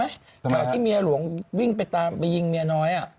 ขณะที่เมียหลวงวิ่งไปตามไปยิงเมียน้อย